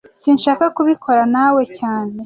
Sinshaka kubikora nawe cyane